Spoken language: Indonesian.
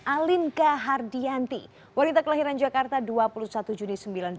alinka hardianti wanita kelahiran jakarta dua puluh satu juni sembilan puluh dua